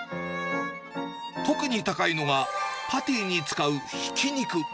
特に高いのが、パティに使うひき肉。